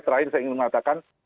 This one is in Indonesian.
terakhir saya ingin mengatakan